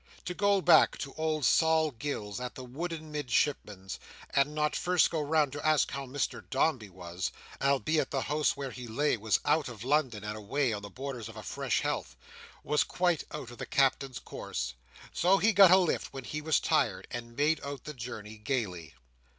To go back to old Sol Gills at the wooden Midshipman's, and not first go round to ask how Mr Dombey was—albeit the house where he lay was out of London, and away on the borders of a fresh heath—was quite out of the Captain's course. So he got a lift when he was tired, and made out the journey gaily.